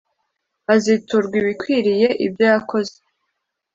aziturwa ibikwiriye ibyo yakoze